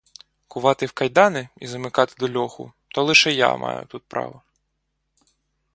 Кувати в кайдани і замикати до льоху — то лише я маю тут право.